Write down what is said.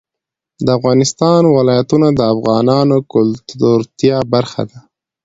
د افغانستان ولايتونه د افغانانو د ګټورتیا برخه ده.